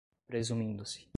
presumindo-se